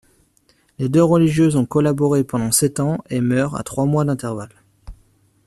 Les deux religieuses ont collaboré pendant sept ans et meurent à trois mois d'intervalle.